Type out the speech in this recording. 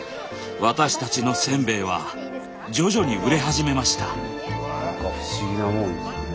私たちのせんべいは徐々に売れ始めました。